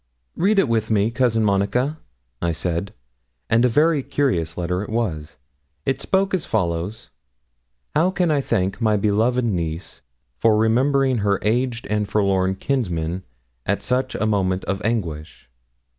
'Read it with me, Cousin Monica,' I said. And a very curious letter it was. It spoke as follows: 'How can I thank my beloved niece for remembering her aged and forlorn kinsman at such a moment of anguish?'